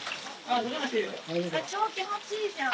超気持ちいいじゃん。